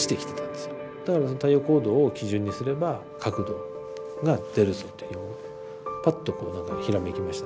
太陽高度を基準にすれば角度が出るぞというぱっとこう何かひらめきました。